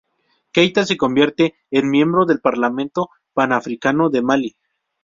Keita se convierte en miembro del Parlamento Panafricano de Malí.